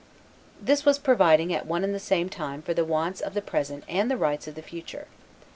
This was providing at one and the same time for the wants of the present and the rights of the future.